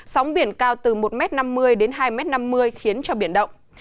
sóng biển cao từ một năm mươi m đến hai năm mươi m khiến cho biển động